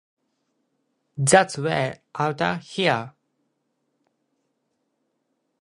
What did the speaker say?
That's way outta here.